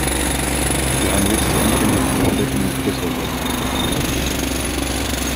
Wir haben jetzt die anfängliche Verspätung noch größer werden lassen.